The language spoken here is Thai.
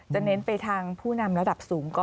ใช่ค่ะจะเน้นไปทางผู้นำระดับสูงก่อน